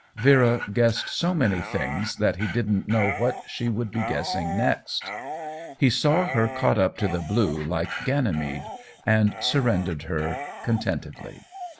Vera guessed so many things that he didn't know what she would be guessing next. He saw her caught up to the blue like Ganymede, and surrendered her contentedly.